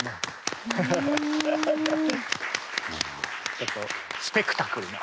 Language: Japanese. ちょっとスペクタクルな。